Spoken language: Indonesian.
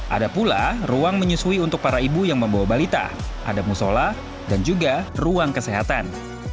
ada pula ruang menyusui untuk para ibu yang membawa balita ada musola dan juga ruang kesehatan